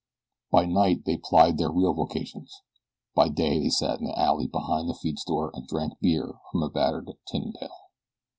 By night they plied their real vocations. By day they sat in the alley behind the feedstore and drank beer from a battered tin pail.